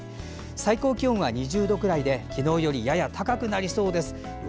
最高気温は２０度くらいで昨日よりやや高くなるでしょう。